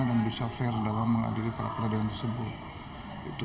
dan bisa fair dalam mengadili pra peradilan tersebut